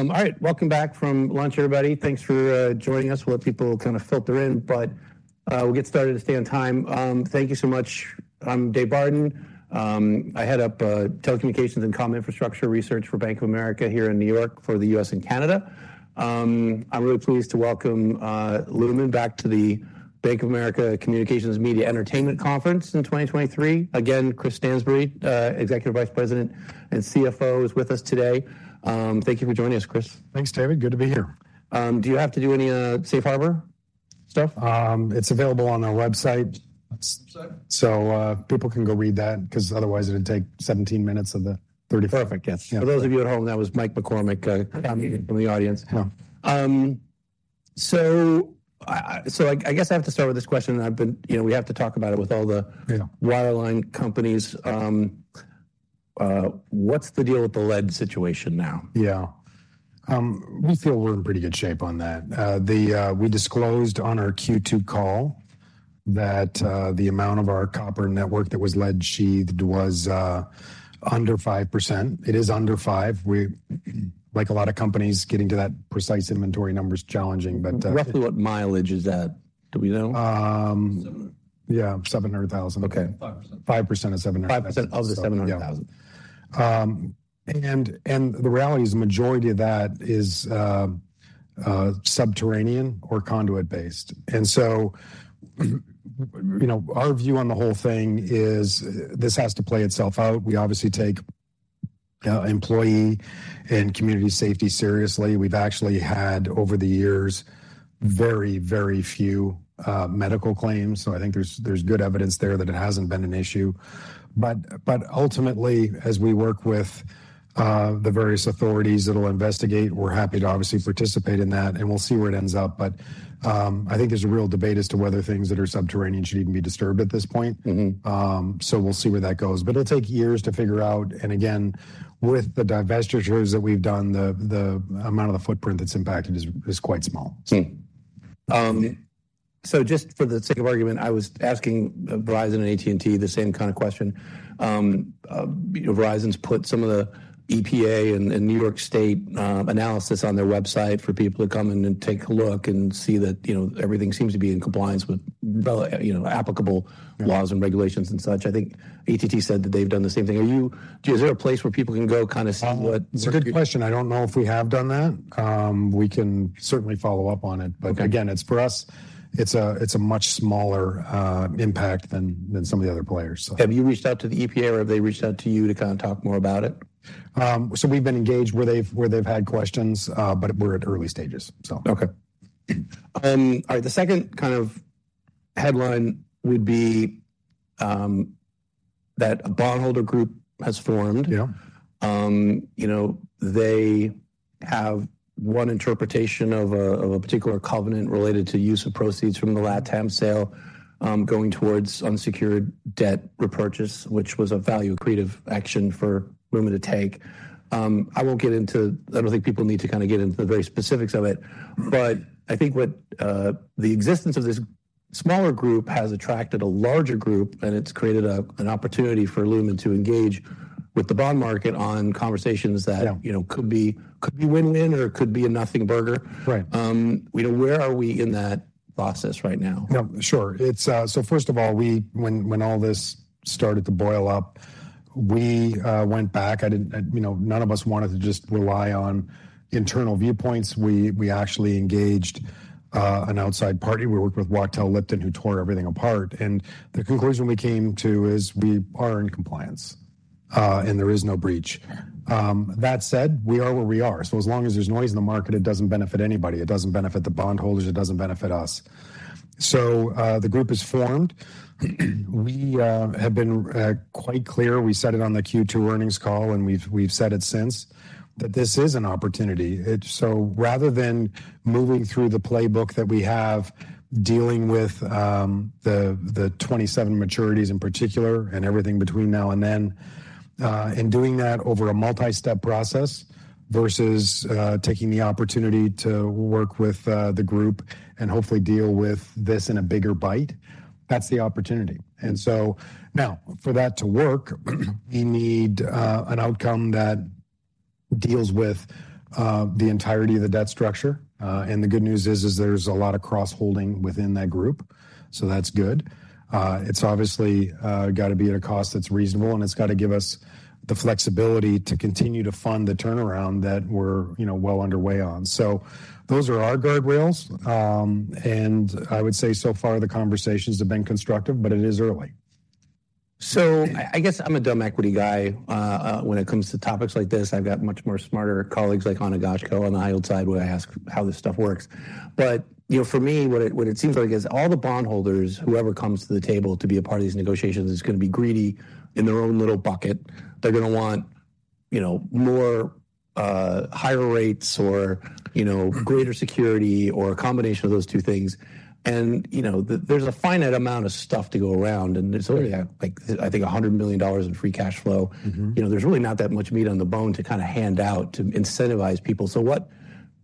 All right, welcome back from lunch, everybody. Thanks for joining us. We'll let people kind of filter in, but we'll get started to stay on time. Thank you so much. I'm Dave Barden. I head up telecommunications and comm infrastructure research for Bank of America here in New York for the U.S. and Canada. I'm really pleased to welcome Lumen back to the Bank of America Communications, Media, Entertainment Conference in 2023. Again, Chris Stansbury, Executive Vice President and CFO, is with us today. Thank you for joining us, Chris. Thanks, David. Good to be here. Do you have to do any safe harbor stuff? It's available on our website. Yes, sir. So, people can go read that, 'cause otherwise it'd take 17 minutes of the 35 I guess. Perfect. Yes. Yeah. For those of you at home, that was Mike McCormack from the audience. Yeah. So, I guess I have to start with this question, and I've been, you know, we have to talk about it with all the wireline companies. What's the deal with the lead situation now? Yeah. We feel we're in pretty good shape on that. We disclosed on our Q2 call that the amount of our copper network that was lead-sheathed was under 5%. It is under five. We, like a lot of companies, getting to that precise inventory number is challenging, but. Roughly what mileage is that? Do we know? Yeah, 700,000. Okay. 5% of 700. 5% of the 700,000. Yeah. And the reality is a majority of that is subterranean or conduit-based. And so, you know, our view on the whole thing is, this has to play itself out. We obviously take employee and community safety seriously. We've actually had, over the years, very, very few medical claims, so I think there's good evidence there that it hasn't been an issue. But ultimately, as we work with the various authorities that'll investigate, we're happy to obviously participate in that, and we'll see where it ends up. But I think there's a real debate as to whether things that are subterranean should even be disturbed at this point. Mm-hmm. So we'll see where that goes. But it'll take years to figure out, and again, with the divestitures that we've done, the amount of the footprint that's impacted is quite small. So just for the sake of argument, I was asking Verizon and AT&T the same kind of question. Verizon's put some of the EPA and New York State analysis on their website for people to come in and take a look and see that, you know, everything seems to be in compliance with relevant, you know, applicable laws and regulations and such. I think AT&T said that they've done the same thing. Are you-- Is there a place where people can go kind of see what? It's a good question. I don't know if we have done that. We can certainly follow up on it. Okay. But again, it's for us, it's a, it's a much smaller impact than, than some of the other players, so. Have you reached out to the EPA, or have they reached out to you to kind of talk more about it? We've been engaged where they've had questions, but we're at early stages, so. Okay. All right, the second kind of headline would be that a bondholder group has formed. Yeah. You know, they have one interpretation of a particular covenant related to use of proceeds from the Latam sale, going towards unsecured debt repurchase, which was a value accretive action for Lumen to take. I won't get into, I don't think people need to kind of get into the very specifics of it. But I think what, the existence of this smaller group has attracted a larger group, and it's created an opportunity for Lumen to engage with the bond market on conversations that. Yeah You know, could be, could be win-win or could be a nothing burger. Right. You know, where are we in that process right now? Yeah, sure. It's, so first of all, we, when all this started to boil up, we went back. You know, none of us wanted to just rely on internal viewpoints. We actually engaged an outside party. We worked with Wachtell Lipton, who tore everything apart, and the conclusion we came to is we are in compliance, and there is no breach. That said, we are where we are, so as long as there's noise in the market, it doesn't benefit anybody. It doesn't benefit the bondholders. It doesn't benefit us. So, the group is formed. We have been quite clear, we said it on the Q2 earnings call, and we've said it since, that this is an opportunity. It... So rather than moving through the playbook that we have, dealing with the 27 maturities in particular and everything between now and then, and doing that over a multi-step process versus taking the opportunity to work with the group and hopefully deal with this in a bigger bite, that's the opportunity. And so now, for that to work, we need an outcome that deals with the entirety of the debt structure. And the good news is there's a lot of cross-holding within that group, so that's good. It's obviously gotta be at a cost that's reasonable, and it's gotta give us the flexibility to continue to fund the turnaround that we're, you know, well underway on. So those are our guardrails. And I would say so far the conversations have been constructive, but it is early. So I guess I'm a dumb equity guy when it comes to topics like this. I've got much more smarter colleagues like Ana Goshko on the high side who I ask how this stuff works. But, you know, for me, what it seems like is all the bondholders, whoever comes to the table to be a part of these negotiations, is gonna be greedy in their own little bucket. They're gonna want, you know, more, higher rates or, you know greater security or a combination of those two things. And, you know, there's a finite amount of stuff to go around, and there's only, like, I think, $100 million in free cash flow. Mm-hmm. You know, there's really not that much meat on the bone to kind of hand out to incentivize people. So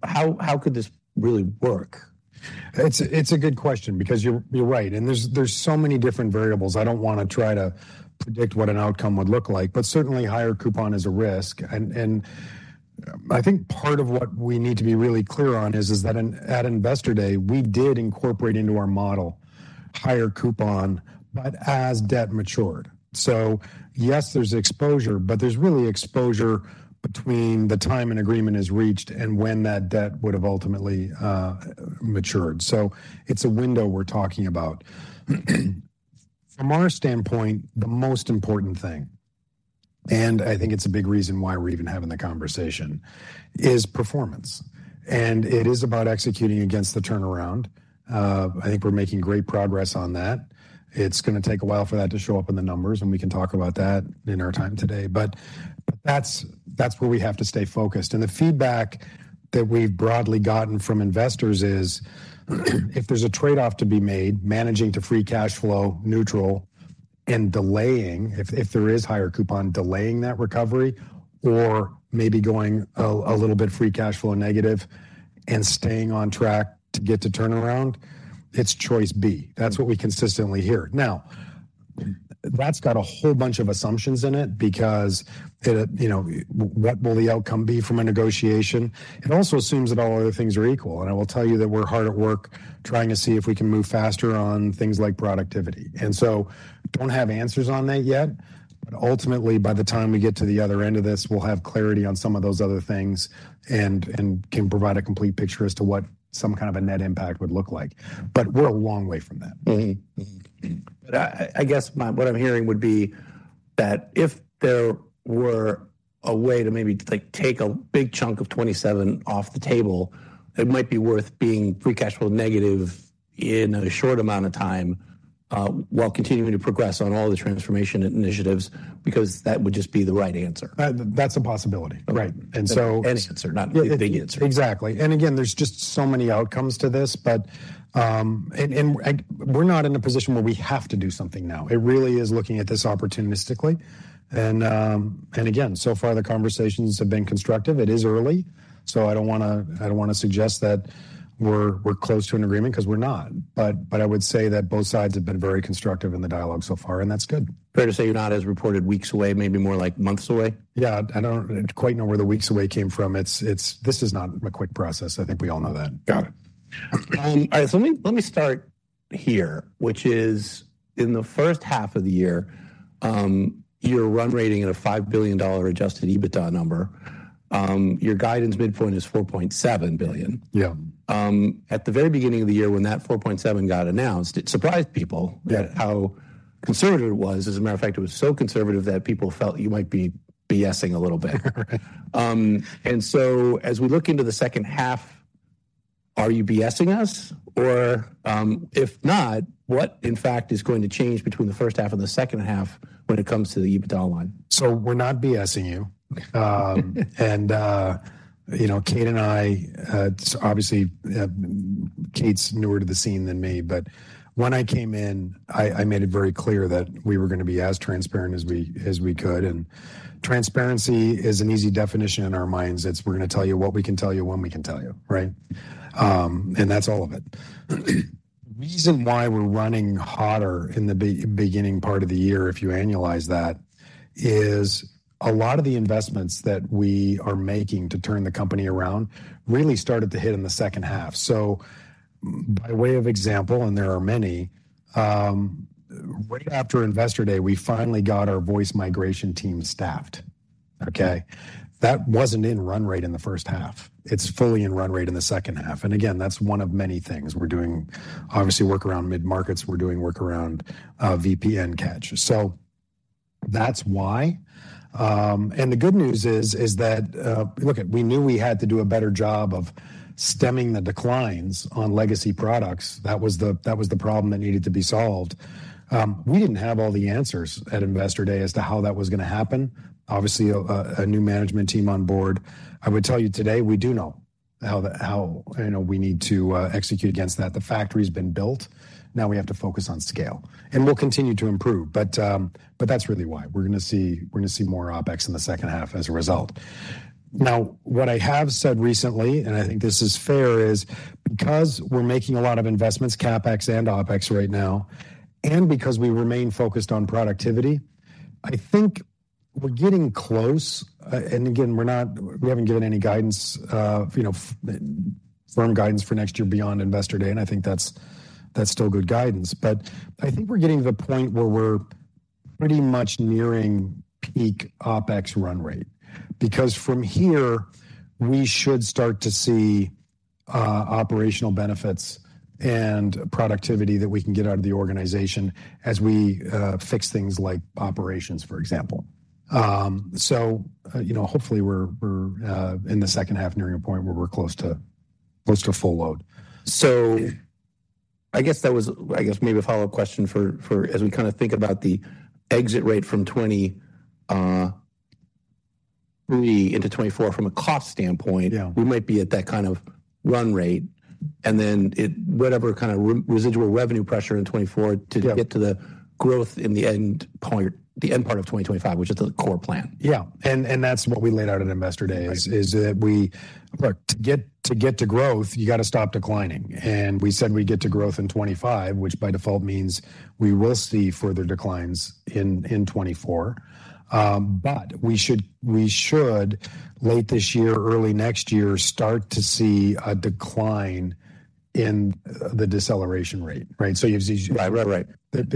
how could this really work? It's a good question because you're right, and there's so many different variables. I don't wanna try to predict what an outcome would look like, but certainly higher coupon is a risk. I think part of what we need to be really clear on is that at Investor Day, we did incorporate into our model higher coupon, but as debt matured. So yes, there's exposure, but there's really exposure between the time an agreement is reached and when that debt would've ultimately matured. So it's a window we're talking about. From our standpoint, the most important thing, and I think it's a big reason why we're even having the conversation, is performance, and it is about executing against the turnaround. I think we're making great progress on that. It's gonna take a while for that to show up in the numbers, and we can talk about that in our time today. But that's where we have to stay focused. The feedback that we've broadly gotten from investors is, if there's a trade-off to be made, managing to free cash flow neutral and delaying, if there is higher coupon, delaying that recovery or maybe going a little bit free cash flow negative and staying on track to get to turnaround, it's choice B. That's what we consistently hear. Now, that's got a whole bunch of assumptions in it because it, you know, what will the outcome be from a negotiation? It also assumes that all other things are equal, and I will tell you that we're hard at work, trying to see if we can move faster on things like productivity. And so don't have answers on that yet, but ultimately, by the time we get to the other end of this, we'll have clarity on some of those other things and can provide a complete picture as to what some kind of a net impact would look like. But we're a long way from that. I guess what I'm hearing would be that if there were a way to maybe, like, take a big chunk of 27 off the table, it might be worth being free cash flow negative in a short amount of time, while continuing to progress on all the transformation initiatives, because that would just be the right answer. That's a possibility. Okay. Right. And so. Exactly. And again, there's just so many outcomes to this, but and we're not in a position where we have to do something now. It really is looking at this opportunistically. And again, so far, the conversations have been constructive. It is early, so I don't wanna, I don't wanna suggest that we're close to an agreement, 'cause we're not. But I would say that both sides have been very constructive in the dialogue so far, and that's good. Fair to say you're not, as reported, weeks away, maybe more like months away? Yeah. I don't quite know where the weeks away came from. It's, this is not a quick process. I think we all know that. Got it. All right, so let me start here, which is, in the first half of the year, your run rate at a $5 billion adjusted EBITDA number. Your guidance midpoint is $4.7 billion. Yeah. At the very beginning of the year, when that $4.7 got announced, it surprised people. Yeah How conservative it was. As a matter of fact, it was so conservative that people felt you might be BSing a little bit. And so as we look into the second half, are you BSing us? Or, if not, what, in fact, is going to change between the first half and the second half when it comes to the EBITDA line? So we're not BSing you. And, you know, Kate and I, obviously, Kate's newer to the scene than me, but when I came in, I made it very clear that we were gonna be as transparent as we could. And transparency is an easy definition in our minds. It's, we're gonna tell you what we can tell you, when we can tell you, right? And that's all of it. The reason why we're running hotter in the beginning part of the year, if you annualize that, is a lot of the investments that we are making to turn the company around really started to hit in the second half. So by way of example, and there are many, right after Investor Day, we finally got our voice migration team staffed, okay? That wasn't in run rate in the first half. It's fully in run rate in the second half. And again, that's one of many things. We're doing, obviously, work around mid-markets. We're doing work around VPN [catch]. So that's why. And the good news is, is that, look, we knew we had to do a better job of stemming the declines on legacy products. That was the, that was the problem that needed to be solved. We didn't have all the answers at Investor Day as to how that was gonna happen. Obviously, a, a new management team on board. I would tell you today, we do know how the, how, you know, we need to execute against that. The factory's been built. Now we have to focus on scale, and we'll continue to improve, but, but that's really why we're gonna see, we're gonna see more OpEx in the second half as a result. Now, what I have said recently, and I think this is fair, is because we're making a lot of investments, CapEx and OpEx, right now, and because we remain focused on productivity, I think we're getting close, and again, we're not, we haven't given any guidance, you know, firm guidance for next year beyond Investor Day, and I think that's, that's still good guidance. But I think we're getting to the point where we're pretty much nearing peak OpEx run rate, because from here, we should start to see, operational benefits and productivity that we can get out of the organization as we, fix things like operations, for example. You know, hopefully, we're in the second half, nearing a point where we're close to full load. So I guess that was, I guess, maybe a follow-up question for, as we kinda think about the exit rate from 2023 into 2024 from a cost standpoint. Yeah We might be at that kind of run rate, and then it, whatever kind of residual revenue pressure in 2024. Yeah To get to the growth in the end point, the end part of 2025, which is the core plan. Yeah, and that's what we laid out at Investor Day is that we get to growth, you gotta stop declining. And we said we'd get to growth in 2025, which by default means we will see further declines in 2024. But we should late this year, early next year, start to see a decline in the deceleration rate, right? Right. Right.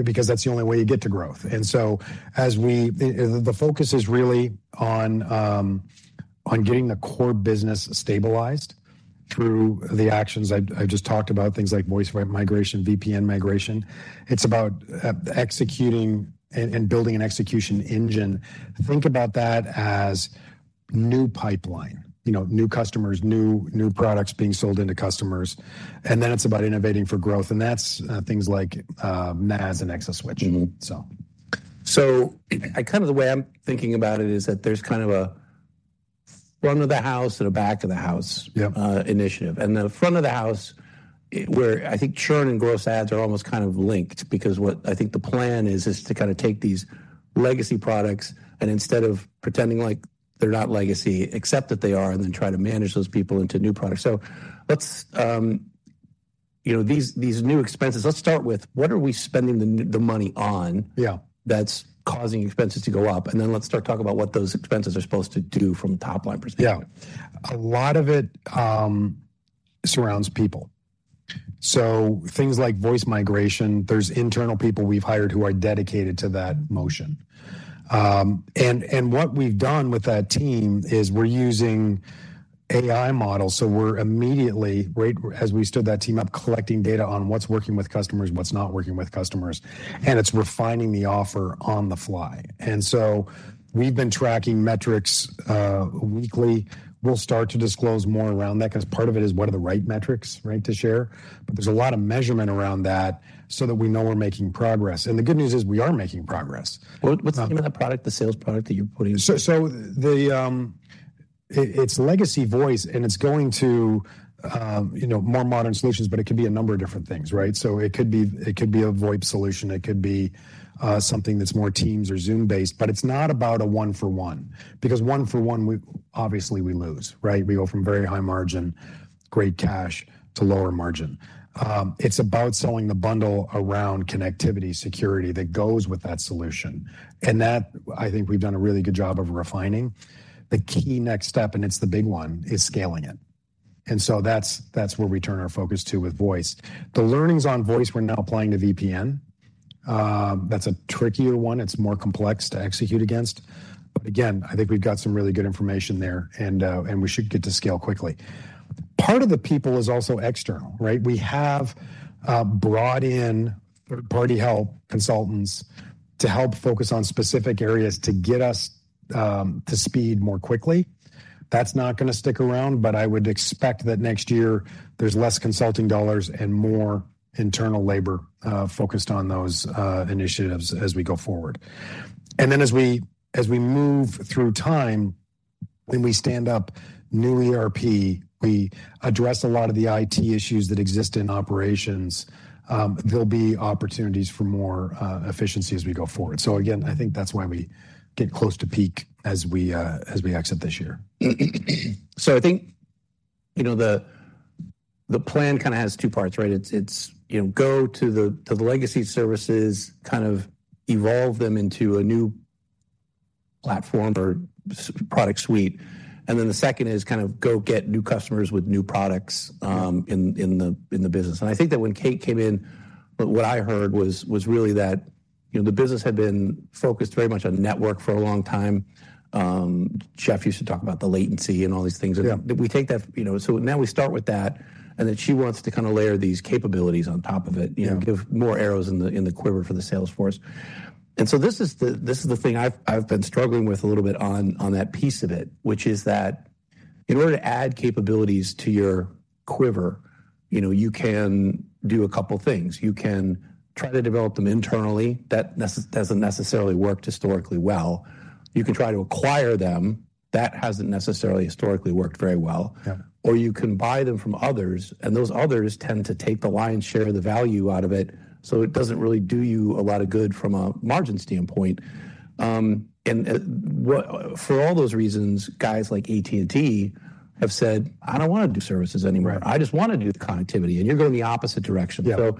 Because that's the only way you get to growth. And so as we the focus is really on getting the core business stabilized through the actions I've just talked about, things like voice migration, VPN migration. It's about executing and building an execution engine. Think about that as new pipeline, you know, new customers, new products being sold into customers, and then it's about innovating for growth, and that's things like NaaS and ExaSwitch. Mm-hmm. So, I kind of, the way I'm thinking about it is that there's kind of a front of the house and a back of the house. Yep Initiative. And the front of the house, where I think churn and gross adds are almost kind of linked, because what I think the plan is, is to kind of take these legacy products, and instead of pretending like they're not legacy, accept that they are, and then try to manage those people into new products. So let's, you know, these, these new expenses, let's start with, what are we spending the the money on. Yeah That's causing expenses to go up? And then let's start talking about what those expenses are supposed to do from a top-line perspective. Yeah. A lot of it surrounds people. So things like voice migration, there's internal people we've hired who are dedicated to that motion. And what we've done with that team is we're using AI models, so we're immediately, right, as we stood that team up, collecting data on what's working with customers and what's not working with customers, and it's refining the offer on the fly. And so we've been tracking metrics weekly. We'll start to disclose more around that, 'cause part of it is what are the right metrics, right, to share. But there's a lot of measurement around that so that we know we're making progress, and the good news is, we are making progress. What's the name of the product, the sales product that you're putting? So, it's Legacy Voice, and it's going to, you know, more modern solutions, but it could be a number of different things, right? So it could be, it could be a VoIP solution, it could be, something that's more Teams or Zoom-based, but it's not about a one for one. Because one for one, we obviously lose, right? We go from very high margin, great cash, to lower margin. It's about selling the bundle around connectivity, security, that goes with that solution, and that I think we've done a really good job of refining. The key next step, and it's the big one, is scaling it. And so that's where we turn our focus to with voice. The learnings on voice, we're now applying to VPN. That's a trickier one. It's more complex to execute against, but again, I think we've got some really good information there, and and we should get to scale quickly. Part of the people is also external, right? We have brought in third-party help, consultants, to help focus on specific areas to get us to speed more quickly. That's not gonna stick around, but I would expect that next year there's less consulting dollars and more internal labor focused on those initiatives as we go forward. And then, as we as we move through time, when we stand up new ERP, we address a lot of the IT issues that exist in operations, there'll be opportunities for more efficiency as we go forward. So again, I think that's why we get close to peak as we as we exit this year. So I think, you know, the plan kinda has two parts, right? It's, you know, go to the legacy services, kind of evolve them into a new platform or product suite, and then the second is kind of go get new customers with new products in the business. And I think that when Kate came in, what I heard was really that, you know, the business had been focused very much on network for a long time. Jeff used to talk about the latency and all these things. Yeah. We take that. You know, so now we start with that, and then she wants to kind of layer these capabilities on top of it. Yeah You know, give more arrows in the, in the quiver for the sales force. And so this is the, this is the thing I've, I've been struggling with a little bit on, on that piece of it, which is that in order to add capabilities to your quiver, you know, you can do a couple things. You can try to develop them internally. That doesn't necessarily work historically well. You can try to acquire them. That hasn't necessarily historically worked very well. Yeah. Or you can buy them from others, and those others tend to take the lion's share of the value out of it, so it doesn't really do you a lot of good from a margin standpoint. For all those reasons, guys like AT&T have said, "I don't wanna do services anymore, I just wanna do the connectivity," and you're going the opposite direction. Yeah.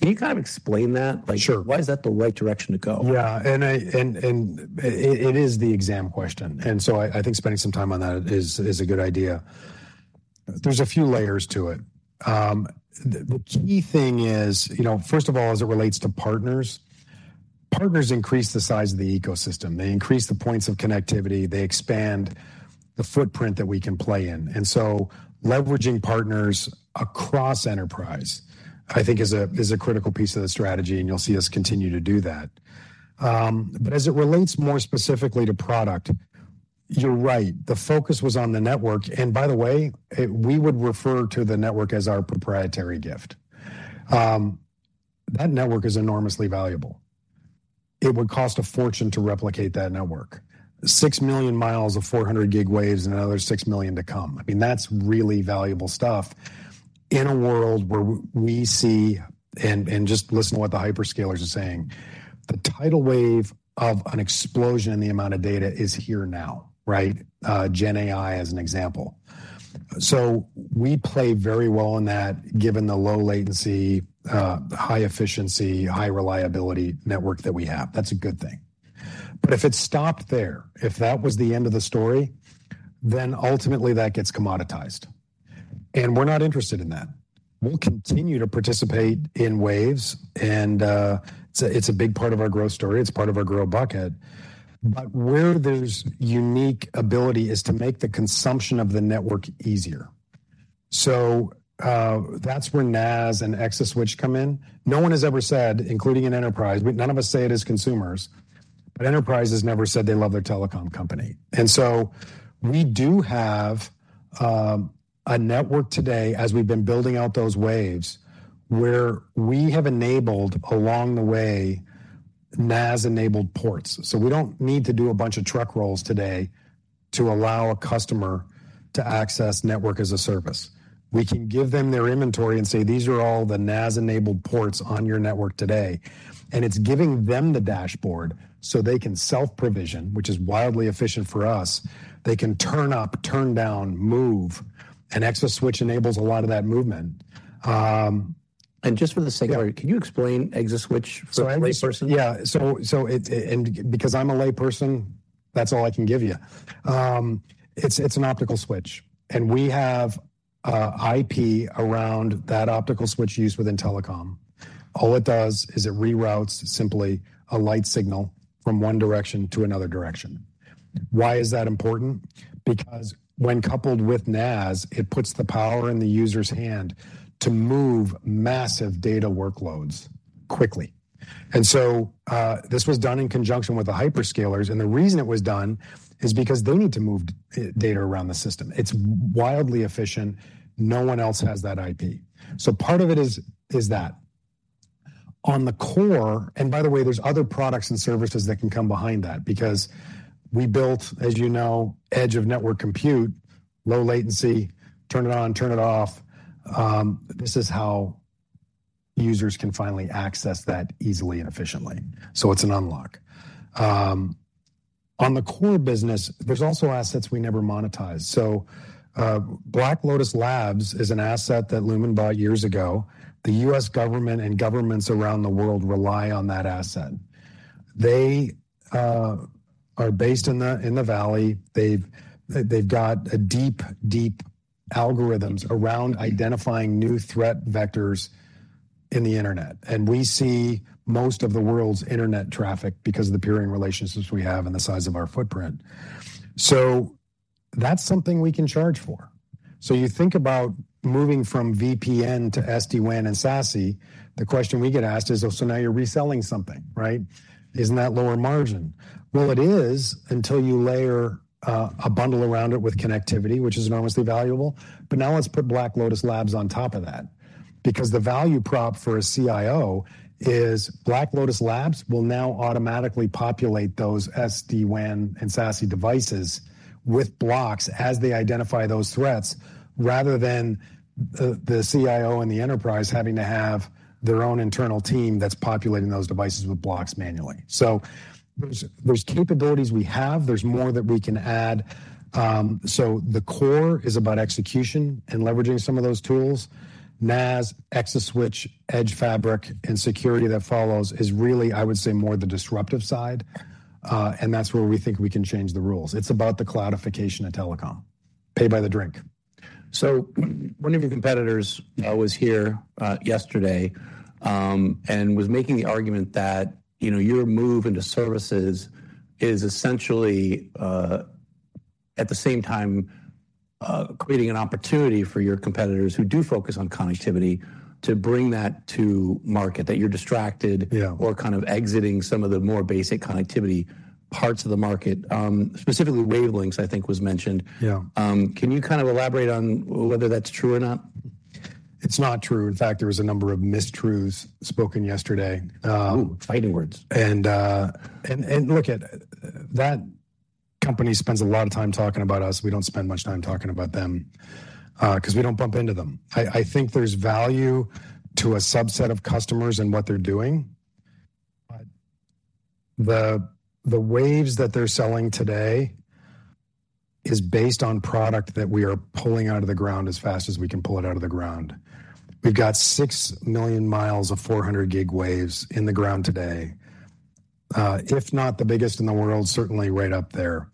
Can you kind of explain that? Sure. Like, why is that the right direction to go? Yeah, and it is the exam question, and so I think spending some time on that is a good idea. There's a few layers to it. The key thing is, you know, first of all, as it relates to partners, partners increase the size of the ecosystem. They increase the points of connectivity. They expand the footprint that we can play in. And so leveraging partners across enterprise, I think, is a critical piece of the strategy, and you'll see us continue to do that. But as it relates more specifically to product, you're right, the focus was on the network, and by the way, we would refer to the network as our proprietary gift. That network is enormously valuable. It would cost a fortune to replicate that network. 6 million miles of 400 gig waves and another 6 million to come. I mean, that's really valuable stuff in a world where we see, and just listen to what the hyperscalers are saying, the tidal wave of an explosion in the amount of data is here now, right? GenAI, as an example. So we play very well in that, given the low latency, the high efficiency, high reliability network that we have. That's a good thing. But if it stopped there, if that was the end of the story, then ultimately that gets commoditized, and we're not interested in that. We'll continue to participate in waves, and it's a big part of our growth story. It's part of our growth bucket. But where there's unique ability is to make the consumption of the network easier. So, that's where NaaS and ExaSwitch come in. No one has ever said, including an enterprise, but none of us say it as consumers, but enterprises never said they love their telecom company. And so we do have a network today, as we've been building out those waves, where we have enabled, along the way, NaaS-enabled ports. So we don't need to do a bunch of truck rolls today to allow a customer to access network as a service. We can give them their inventory and say, "These are all the NaaS-enabled ports on your network today," and it's giving them the dashboard so they can self-provision, which is wildly efficient for us. They can turn up, turn down, move, and ExaSwitch enables a lot of that movement. Just for the sake of it. Yeah. Can you explain ExaSwitch for a layperson? Yeah. So, and because I'm a layperson, that's all I can give you. It's an optical switch, and we have IP around that optical switch used within telecom. All it does is it reroutes simply a light signal from one direction to another direction. Why is that important? Because when coupled with NaaS, it puts the power in the user's hand to move massive data workloads quickly. And so, this was done in conjunction with the hyperscalers, and the reason it was done is because they need to move data around the system. It's wildly efficient. No one else has that IP. So part of it is that. On the core, and by the way, there's other products and services that can come behind that because we built, as you know, edge of network compute, low latency, turn it on, turn it off. This is how users can finally access that easily and efficiently, so it's an unlock. On the core business, there's also assets we never monetized. So, Black Lotus Labs is an asset that Lumen bought years ago. The U.S. government and governments around the world rely on that asset. They are based in the Valley. They got a deep, deep algorithms around identifying new threat vectors in the internet, and we see most of the world's internet traffic because of the peering relationships we have and the size of our footprint. So that's something we can charge for. So you think about moving from VPN to SD-WAN and SASE, the question we get asked is: "So now you're reselling something, right? Isn't that lower margin?" Well, it is, until you layer a bundle around it with connectivity, which is enormously valuable. But now let's put Black Lotus Labs on top of that, because the value prop for a CIO is Black Lotus Labs will now automatically populate those SD-WAN and SASE devices with blocks as they identify those threats, rather than the CIO and the enterprise having to have their own internal team that's populating those devices with blocks manually. So there's capabilities we have. There's more that we can add. So the core is about execution and leveraging some of those tools. NaaS, ExaSwitch, edge fabric, and security that follows is really, I would say, more the disruptive side, and that's where we think we can change the rules. It's about the cloudification of telecom, pay by the drink. So one of your competitors was here yesterday and was making the argument that, you know, your move into services is essentially at the same time creating an opportunity for your competitors who do focus on connectivity to bring that to market, that you're distracted. Yeah. Or kind of exiting some of the more basic connectivity parts of the market. Specifically, wavelengths, I think, was mentioned. Yeah. Can you kind of elaborate on whether that's true or not? It's not true. In fact, there was a number of mistruths spoken yesterday. Ooh, fighting words. Look, that company spends a lot of time talking about us. We don't spend much time talking about them, 'cause we don't bump into them. I think there's value to a subset of customers and what they're doing, but the waves that they're selling today is based on product that we are pulling out of the ground as fast as we can pull it out of the ground. We've got 6 million miles of 400 gig waves in the ground today. If not the biggest in the world, certainly right up there.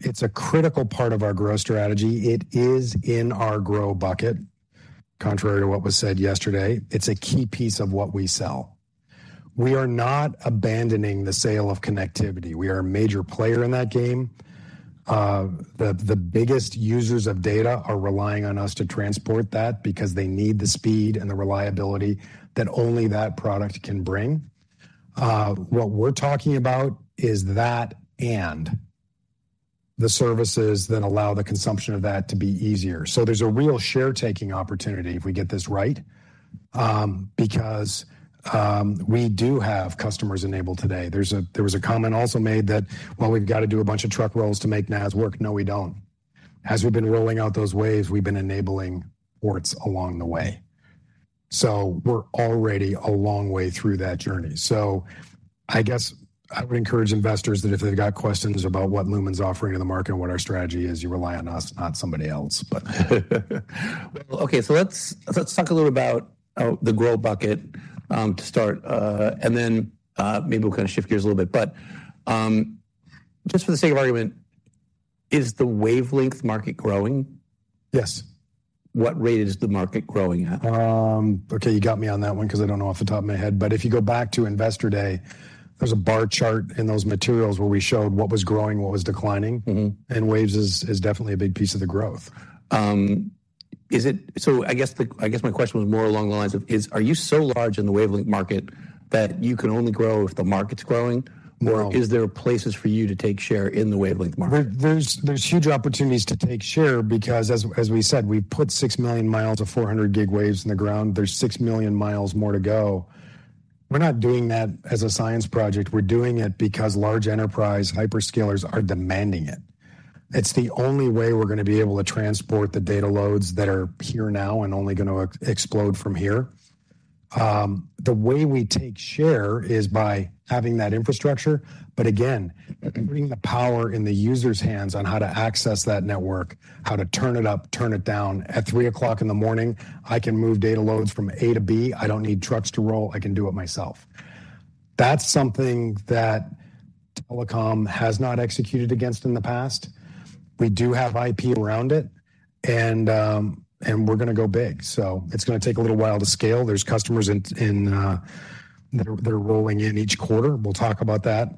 It's a critical part of our growth strategy. It is in our growth bucket, contrary to what was said yesterday. It's a key piece of what we sell. We are not abandoning the sale of connectivity. We are a major player in that game. The biggest users of data are relying on us to transport that because they need the speed and the reliability that only that product can bring. What we're talking about is that and the services that allow the consumption of that to be easier. So there's a real share taking opportunity if we get this right, because we do have customers enabled today. There was a comment also made that, "Well, we've got to do a bunch of truck rolls to make NaaS work." No, we don't. As we've been rolling out those waves, we've been enabling ports along the way. So we're already a long way through that journey. So I guess I would encourage investors that if they've got questions about what Lumen's offering in the market and what our strategy is, you rely on us, not somebody else, but Well, okay, so let's talk a little about the growth bucket to start, and then maybe we'll kind of shift gears a little bit. But just for the sake of argument, is the wavelength market growing? Yes. What rate is the market growing at? Okay, you got me on that one because I don't know off the top of my head. But if you go back to Investor Day, there's a bar chart in those materials where we showed what was growing, what was declining. Mm-hmm. Waves is definitely a big piece of the growth. So, I guess my question was more along the lines of, are you so large in the wavelength market that you can only grow if the market's growing? No. Or is there places for you to take share in the wavelength market? There's huge opportunities to take share because as we said, we've put 6 million miles of 400 gig waves in the ground. There's 6 million miles more to go. We're not doing that as a science project. We're doing it because large enterprise hyperscalers are demanding it. It's the only way we're going to be able to transport the data loads that are here now and only going to explode from here. The way we take share is by having that infrastructure, but again, bringing the power in the user's hands on how to access that network, how to turn it up, turn it down. At 3:00 A.M., I can move data loads from A to B. I don't need trucks to roll. I can do it myself. That's something that telecom has not executed against in the past. We do have IP around it, and we're going to go big, so it's going to take a little while to scale. There's customers in that are rolling in each quarter. We'll talk about that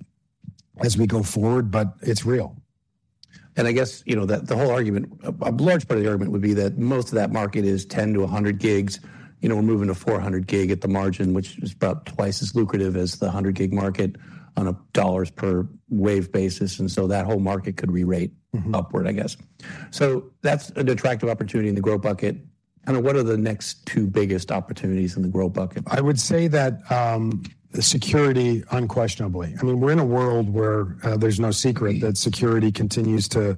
as we go forward, but it's real. And I guess, you know, that the whole argument, a large part of the argument would be that most of that market is 10-100 gigs. You know, we're moving to 400 gig at the margin, which is about twice as lucrative as the 100 gig market on a dollars per wave basis, and so that whole market could rerate. Mm-hmm Upward, I guess. So that's an attractive opportunity in the growth bucket. Kind of what are the next two biggest opportunities in the growth bucket? I would say that the security, unquestionably. I mean, we're in a world where there's no secret- Agreed That security continues to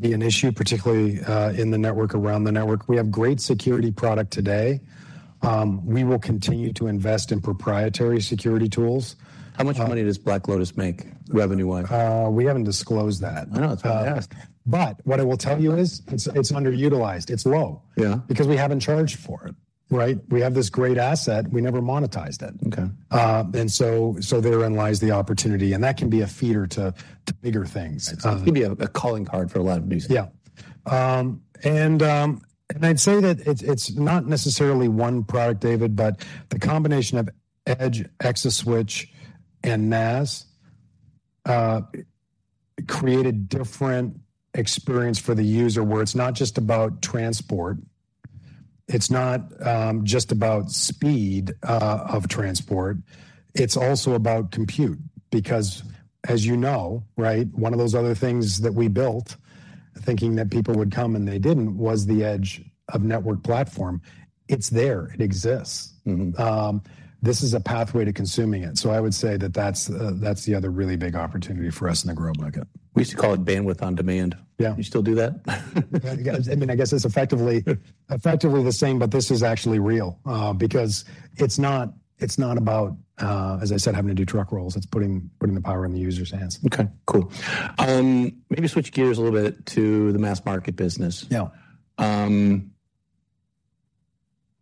be an issue, particularly in the network, around the network. We have great security product today. We will continue to invest in proprietary security tools. How much money does Black Lotus make, revenue-wise? We haven't disclosed that. I know. That's why I asked. But what I will tell you is it's underutilized. It's low. Yeah. Because we haven't charged for it, right? We have this great asset, we never monetized it. Okay. And so, therein lies the opportunity, and that can be a feeder to bigger things. It can be a calling card for a lot of new stuff. Yeah. And I'd say that it's not necessarily one product, David, but the combination of Edge, ExaSwitch, and NaaS create a different experience for the user, where it's not just about transport, it's not just about speed of transport, it's also about compute. Because as you know, right, one of those other things that we built, thinking that people would come and they didn't, was the edge network platform. It's there. It exists. Mm-hmm. This is a pathway to consuming it. So I would say that that's the other really big opportunity for us in the growth bucket. We used to call it bandwidth on demand. Yeah. You still do that? Yeah, I mean, I guess it's effectively the same, but this is actually real, because it's not about, as I said, having to do truck rolls, it's putting the power in the user's hands. Okay, cool. Maybe switch gears a little bit to the mass market business. Yeah.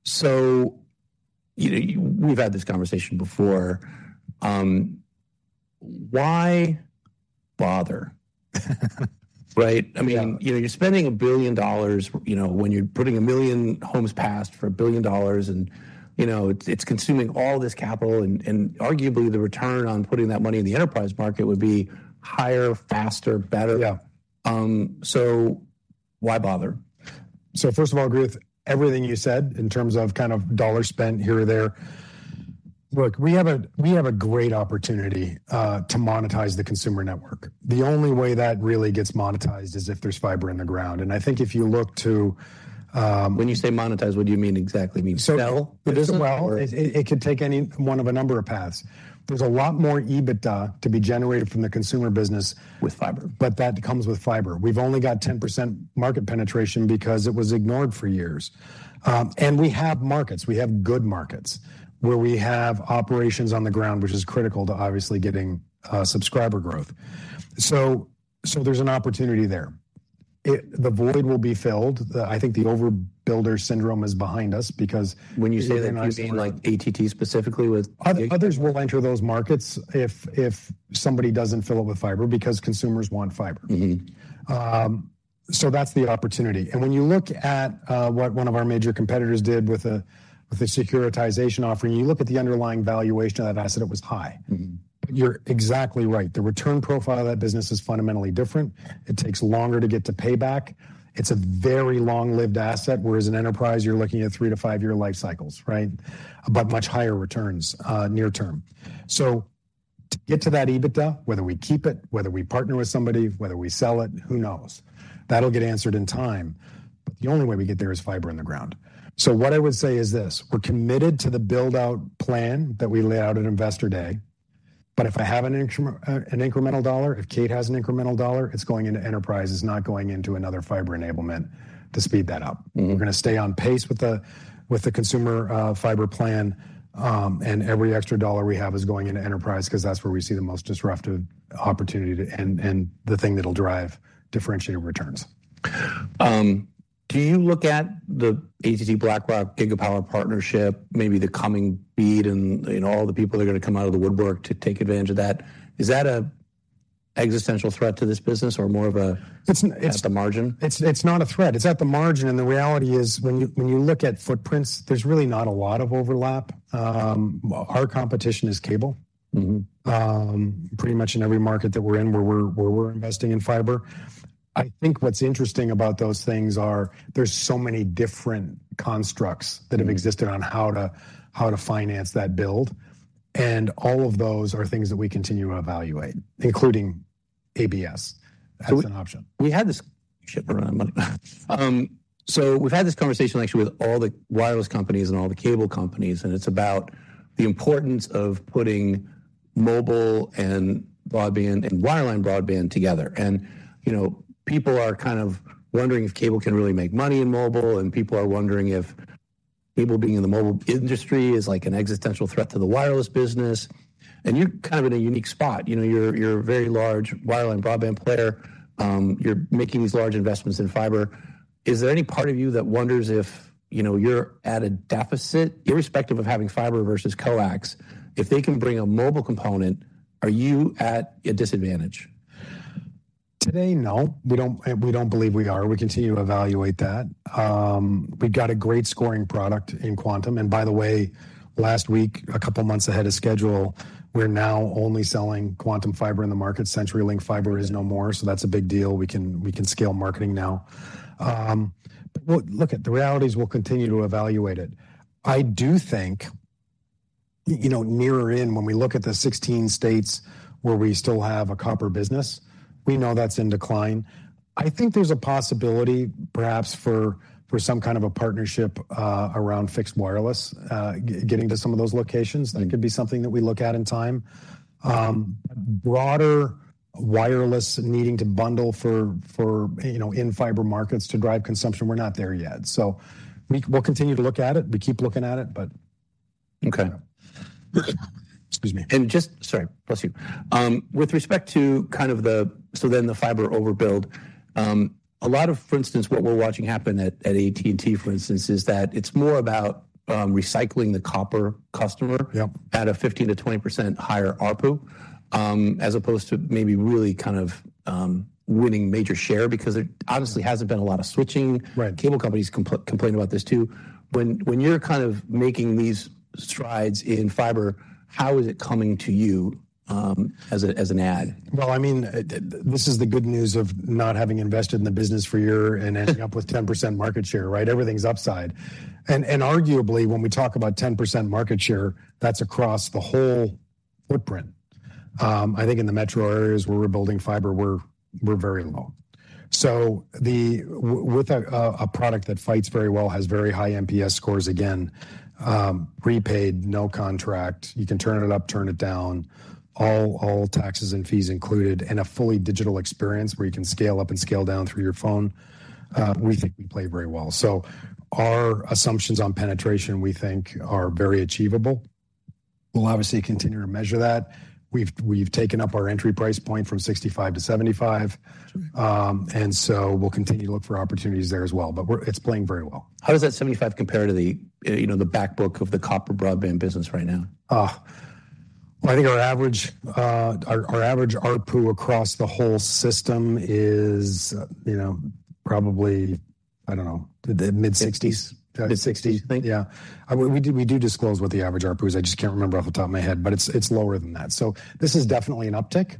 So, you know, we've had this conversation before. Why bother? Right? Yeah. I mean, you know, you're spending $1 billion, you know, when you're putting 1 million homes passed for $1 billion, and, you know, it's, it's consuming all this capital and, and arguably the return on putting that money in the enterprise market would be higher, faster, better. Yeah. So why bother? So first of all, agree with everything you said in terms of kind of dollar spent here or there. Look, we have a great opportunity to monetize the consumer network. The only way that really gets monetized is if there's fiber in the ground. And I think if you look to. When you say monetize, what do you mean exactly? Well, it could take any one of a number of paths. There's a lot more EBITDA to be generated from the consumer business/ With fiber But that comes with fiber. We've only got 10% market penetration because it was ignored for years. And we have markets, we have good markets, where we have operations on the ground, which is critical to obviously getting subscriber growth. So, there's an opportunity there. It, the void will be filled. I think the overbuilder syndrome is behind us because. When you say that, you mean, like, AT&T specifically, with. Others will enter those markets if, if somebody doesn't fill it with fiber, because consumers want fiber. Mm-hmm. That's the opportunity. When you look at what one of our major competitors did with the securitization offering, you look at the underlying valuation of that asset. It was high. Mm-hmm. You're exactly right. The return profile of that business is fundamentally different. It takes longer to get to payback. It's a very long-lived asset, whereas an enterprise, you're looking at three-five year life cycles, right? But much higher returns near term. To get to that EBITDA, whether we keep it, whether we partner with somebody, whether we sell it, who knows? That'll get answered in time. But the only way we get there is fiber in the ground. So what I would say is this: we're committed to the build-out plan that we laid out at Investor Day, but if I have an incremental dollar, if Kate has an incremental dollar, it's going into enterprise. It's not going into another fiber enablement to speed that up. Mm-hmm. We're going to stay on pace with the consumer fiber plan, and every extra dollar we have is going into enterprise because that's where we see the most disruptive opportunity, and the thing that'll drive differentiated returns. Do you look at the AT&T-BlackRock GigaPower partnership, maybe the coming BEAD and, you know, all the people that are going to come out of the woodwork to take advantage of that? Is that a existential threat to this business or more of a. It's. at the margin? It's, it's not a threat. It's at the margin, and the reality is, when you, when you look at footprints, there's really not a lot of overlap. Well, our competition is cable. Mm-hmm. Pretty much in every market that we're in, where we're investing in fiber. I think what's interesting about those things are there's so many different constructs. Mm That have existed on how to, how to finance that build, and all of those are things that we continue to evaluate, including ABS, as an option. We had this shift around. So we've had this conversation actually with all the wireless companies and all the cable companies, and it's about the importance of putting mobile and broadband and wireline broadband together. And, you know, people are kind of wondering if cable can really make money in mobile, and people are wondering if people being in the mobile industry is like an existential threat to the wireless business. And you're kind of in a unique spot. You know, you're, you're a very large wireline broadband player. You're making these large investments in fiber. Is there any part of you that wonders if, you know, you're at a deficit, irrespective of having fiber versus coax, if they can bring a mobile component, are you at a disadvantage? Today, no. We don't, we don't believe we are. We continue to evaluate that. We've got a great scoring product in Quantum, and by the way, last week, a couple of months ahead of schedule, we're now only selling Quantum Fiber in the market. CenturyLink fiber is no more, so that's a big deal. We can, we can scale marketing now. But look, look, the reality is we'll continue to evaluate it. I do think, you know, nearer in, when we look at the 16 states where we still have a copper business, we know that's in decline. I think there's a possibility perhaps for, for some kind of a partnership, around fixed wireless, getting to some of those locations. Mm. That could be something that we look at in time. Broader wireless needing to bundle for, you know, in fiber markets to drive consumption, we're not there yet. So we'll continue to look at it. We keep looking at it, but. Okay. Excuse me. And just, sorry, bless you. With respect to kind of the, so then the fiber overbuild, a lot of, for instance, what we're watching happen at, at AT&T, for instance, is that it's more about, recycling the copper customer. Yep At a 15%-20% higher ARPU, as opposed to maybe really kind of, winning major share because it obviously hasn't been a lot of switching. Right. Cable companies complain about this too. When you're kind of making these strides in fiber, how is it coming to you as an add? Well, I mean, this is the good news of not having invested in the business for a year and ending up with 10% market share, right? Everything's upside. And arguably, when we talk about 10% market share, that's across the whole footprint. I think in the metro areas where we're building fiber, we're very low. With a product that fights very well, has very high NPS scores, again, prepaid, no contract, you can turn it up, turn it down, all taxes and fees included, and a fully digital experience where you can scale up and scale down through your phone, we think we play very well. So our assumptions on penetration, we think, are very achievable. We'll obviously continue to measure that. We've taken up our entry price point from $65 to $75. Sure. And so we'll continue to look for opportunities there as well, but it's playing very well. How does that 75 compare to the, you know, the backbook of the copper broadband business right now? Oh, well, I think our average ARPU across the whole system is, you know, probably, I don't know, the mid-60s. Mid-60s, you think? Yeah. We do, we do disclose what the average ARPU is. I just can't remember off the top of my head, but it's, it's lower than that. So this is definitely an uptick.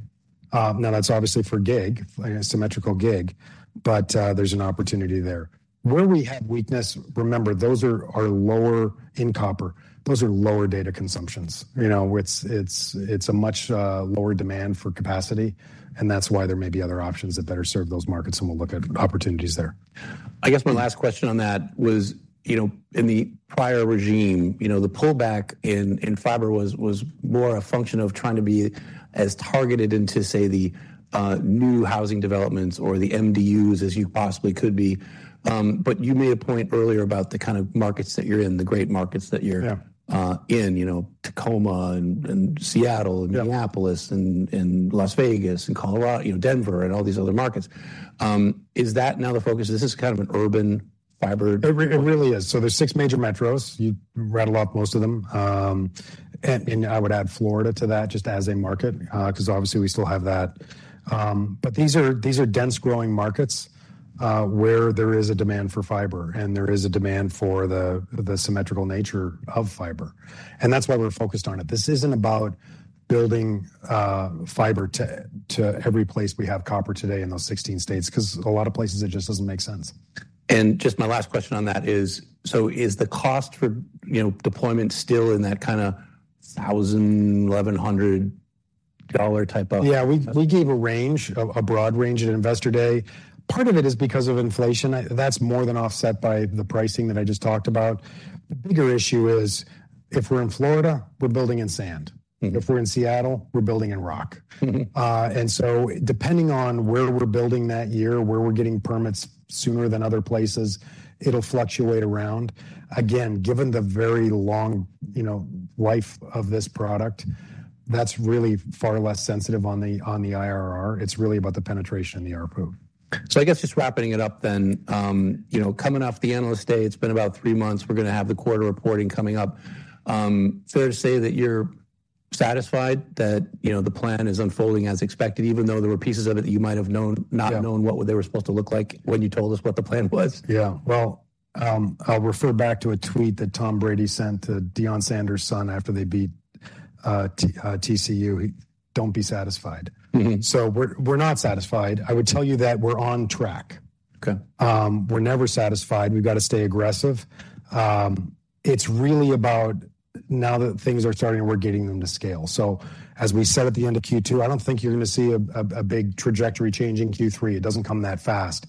Now, that's obviously for gig, a symmetrical gig, but there's an opportunity there. Where we have weakness, remember, those are, are lower in copper. Those are lower data consumptions. You know, it's, it's, it's a much lower demand for capacity, and that's why there may be other options that better serve those markets, and we'll look at opportunities there. I guess my last question on that was, you know, in the prior regime, you know, the pullback in fiber was more a function of trying to be as targeted into, say, the new housing developments or the MDUs as you possibly could be. But you made a point earlier about the kind of markets that you're in, the great markets that you're in. Yeah You know, Tacoma and Seattle. Yeah Minneapolis, and Las Vegas, and Colorado, you know, Denver, and all these other markets. Is that now the focus? This is kind of an urban fiber. It really is. So there's six major metros. You rattled off most of them. And I would add Florida to that just as a market, because obviously we still have that. But these are dense growing markets, where there is a demand for fiber, and there is a demand for the symmetrical nature of fiber, and that's why we're focused on it. This isn't about building fiber to every place we have copper today in those 16 states, because a lot of places, it just doesn't make sense. And just my last question on that is, so is the cost for, you know, deployment still in that kind of $1,000-$1,100 dollar type of. Yeah, we gave a range, a broad range at Investor Day. Part of it is because of inflation. That's more than offset by the pricing that I just talked about. The bigger issue is, if we're in Florida, we're building in sand. Mm-hmm. If we're in Seattle, we're building in rock. And so depending on where we're building that year, where we're getting permits sooner than other places, it'll fluctuate around. Again, given the very long, you know, life of this product, that's really far less sensitive on the, on the IRR. It's really about the penetration and the ARPU. So I guess just wrapping it up then, you know, coming off the Analyst Day, it's been about three months. We're gonna have the quarter reporting coming up. Fair to say that you're satisfied that, you know, the plan is unfolding as expected, even though there were pieces of it that you might have known. Yeah Not known what they were supposed to look like when you told us what the plan was? Yeah. Well, I'll refer back to a tweet that Tom Brady sent to Deion Sanders' son after they beat TCU. "Don't be satisfied." Mm-hmm. So we're not satisfied. I would tell you that we're on track. Okay. We're never satisfied. We've gotta stay aggressive. It's really about now that things are starting, we're getting them to scale. So as we said at the end of Q2, I don't think you're gonna see a big trajectory change in Q3. It doesn't come that fast.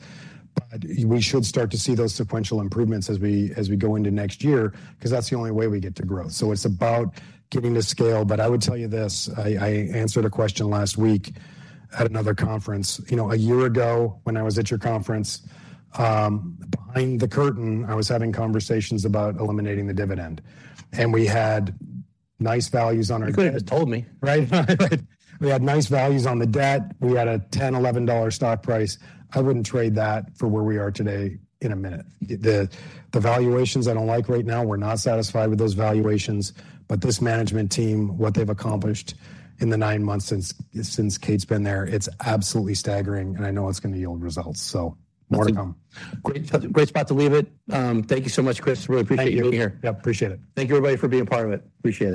But we should start to see those sequential improvements as we go into next year, 'cause that's the only way we get to grow. So it's about getting to scale. But I would tell you this, I answered a question last week at another conference. You know, a year ago, when I was at your conference, behind the curtain, I was having conversations about eliminating the dividend, and we had nice values on our debt- You could've just told me. Right. Right. We had nice values on the debt. We had a $10, $11 stock price. I wouldn't trade that for where we are today in a minute. The valuations I don't like right now, we're not satisfied with those valuations, but this management team, what they've accomplished in the nine months since Kate's been there, it's absolutely staggering, and I know it's gonna yield results, so more to come. Great, great spot to leave it. Thank you so much, Chris. Really appreciate you being here. Thank you. Yep, appreciate it. Thank you, everybody, for being a part of it. Appreciate it.